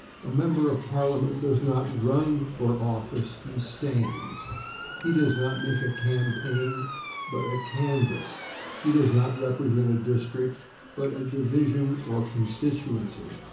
A member of Parliament does not /run/ for office; he /stands/. He does not make a /campaign/, but a /canvass/. He does not represent a /district/, but a /division/ or /constituency